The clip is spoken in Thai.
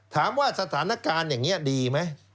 ถามว่าสถานการณ์อย่างนี้ดีไหม